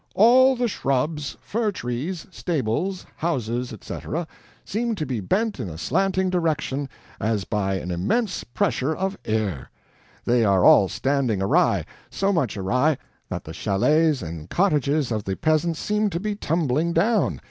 All the shrubs, fir trees, stables, houses, etc., seem to be bent in a slanting direction, as by an immense pressure of air. They are all standing awry, so much awry that the chalets and cottages of the peasants seem to be tumbling down.